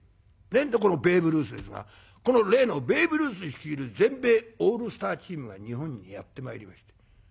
このベーブ・ルースですがこの例のベーブ・ルース率いる全米オールスターチームが日本にやって参りまして。